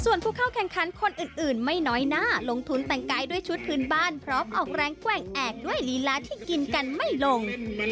ส่วนผู้เข้าแข่งขันคนอื่นไม่น้อยหน้าลงทุนแต่งกายด้วยชุดพื้นบ้านพร้อมออกแรงแกว่งแอกด้วยลีลาที่กินกันไม่ลง